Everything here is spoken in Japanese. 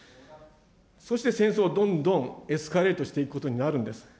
そして戦争はどんどんエスカレートしていくことになるんです。